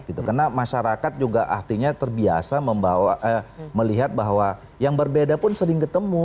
karena masyarakat juga artinya terbiasa melihat bahwa yang berbeda pun sering ketemu